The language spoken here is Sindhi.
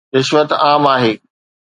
رشوت عام آهي.